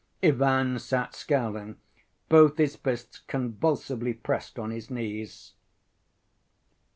Ivan sat scowling, both his fists convulsively pressed on his knees.